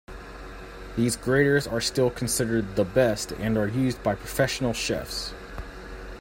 These graters are still considered the best and are used by professional chefs.